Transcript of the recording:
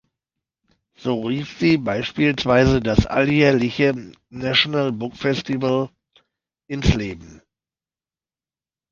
So rief sie beispielsweise das alljährliche National Book Festival ins Leben.